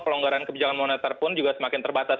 pelonggaran kebijakan moneter pun juga semakin terbatas